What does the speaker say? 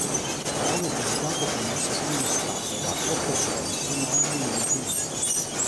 Brano pubblicato come secondo estratto da "Troppo fuori" primo album di inediti.